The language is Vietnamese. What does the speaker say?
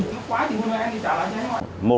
mời chào người vay